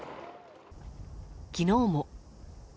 昨日も。